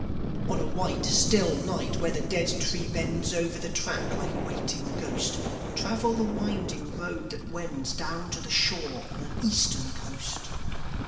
On a white, still night, where the dead tree bends Over the track, like a waiting ghost, Travel the winding road that wends Down to the shore on an Eastern coast.